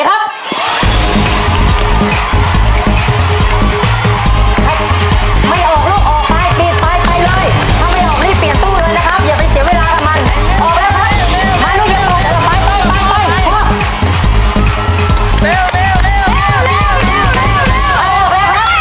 น้ำมันน้ำมันน้ำมัน